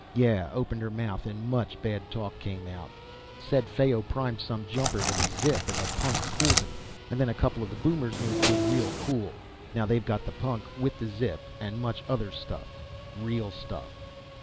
Yeah, opened her mouth and much bad talk came out. Said Fayo primed some jumper with a zip and the punk cooled him, and then a couple of the Boomers moved in real cool. Now they got the punk with the zip and much other stuff, real stuff."